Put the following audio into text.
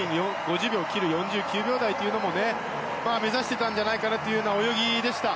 １分５０秒を切る４９秒台というのも目指していたんじゃないかなという泳ぎでした。